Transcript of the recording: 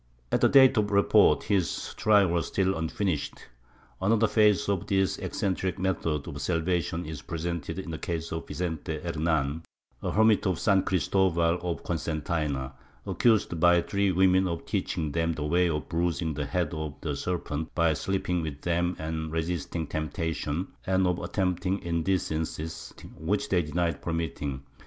At the date of the report his trial was still unfinished. Another phase of these eccentric methods of salvation is presented in the case of Vicente Hernan, a hermit of San Cristobal of Concentayna, accused by three women of teaching them the way of bruising the head of the serpent by sleeping wdth them and resisting temptation, and of attempting indecencies, which they denied permitting.